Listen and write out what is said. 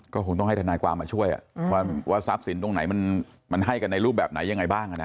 ก็คงต้องให้ทนายความมาช่วยว่าทรัพย์สินตรงไหนมันให้กันในรูปแบบไหนยังไงบ้าง